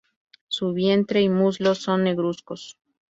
Su vientre y muslos son negruzcos.